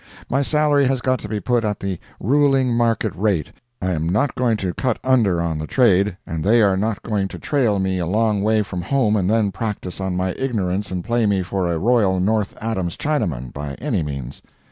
My salary has got to be put at the ruling market rate; I am not going to cut under on the trade, and they are not going to trail me a long way from home and then practise on my ignorance and play me for a royal North Adams Chinaman, by any means.